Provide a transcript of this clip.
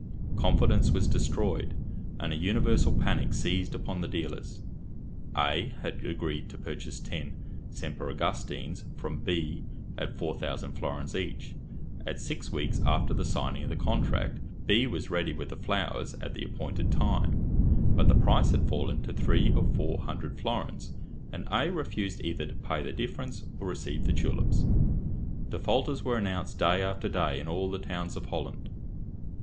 Confidence was destroyed, and a universal panic seized upon the dealers. A had agreed to purchase ten Semper Augustines from B, at four thousand florins each, at six weeks after the signing of the contract. B was ready with the flowers at the appointed time; but the price had fallen to three or four hundred florins, and A refused either to pay the difference or receive the tulips. Defaulters were announced day after day in all the towns of Holland.